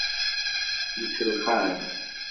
Nkellex-am.